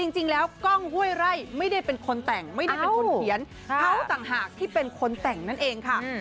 จริงแล้วกล้องห้วยไร่ไม่ได้เป็นคนแต่งไม่ได้เป็นคนเขียนเขาต่างหากที่เป็นคนแต่งนั่นเองค่ะ